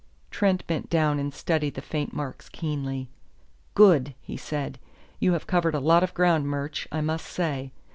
Trent bent down and studied the faint marks keenly. "Good!" he said. "You have covered a lot of ground, Murch, I must say.